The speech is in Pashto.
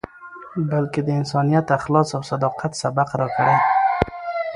بلکې د انسانیت، اخلاص او صداقت، سبق راکړی.